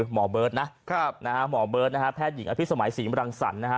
หมอเบิร์ตนะครับหมอเบิร์ตนะฮะแพทย์หญิงอภิษมัยศรีมรังสรรค์นะฮะ